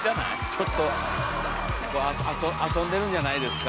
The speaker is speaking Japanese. ちょっと遊んでるんじゃないですか？